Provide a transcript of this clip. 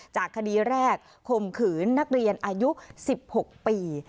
คดีแรกข่มขืนนักเรียนอายุ๑๖ปี